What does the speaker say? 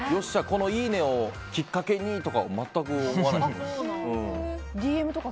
このいいねをきっかけにとかは全く思わないですね。